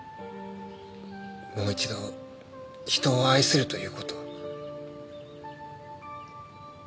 もう一度人を愛するという事を。